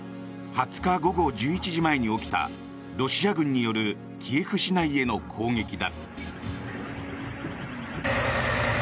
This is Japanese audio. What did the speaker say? ２０日午後１１時前に起きたロシア軍によるキエフ市内への攻撃だ。